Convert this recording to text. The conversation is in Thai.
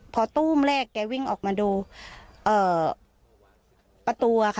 พอตู้แรกวิ่งออกมาดู